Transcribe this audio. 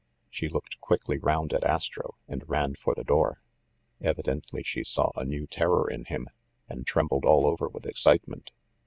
She looked quickly round at Astro, and ran for the door. Evidently she saw a new terror in him, and trembled all over with excitement.